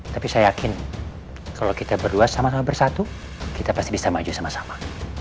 tapi saya yakin kalau kita berdua sama sama bersatu kita pasti bisa maju sama sama